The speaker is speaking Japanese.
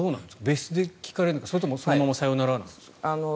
別室で聞かれるのかそれとも、そのままさようならなのか。